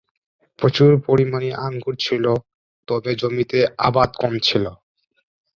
প্রচুর পরিমাণে আঙ্গুর ছিল তবে জমিতে আবাদ কম ছিল।